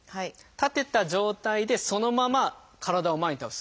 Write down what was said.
立てた状態でそのまま体を前に倒す。